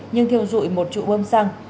nhưng thiêu dụi một trụ bông xăng